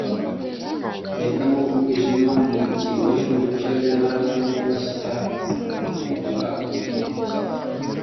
bahitamo umwijima mu cyimbo cy’umucyo, nyamara babikora bashyira ubugingo bwabo ku irimbukiro